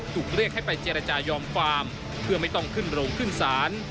ถูกเรียกให้ไปเจรจายอมความเพื่อไม่ต้องขึ้นโรงขึ้นศาล